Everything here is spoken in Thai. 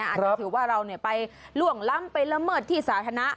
อาจจะถือว่าเราไปล่วงล้ำไปละเมิดที่สาธารณะ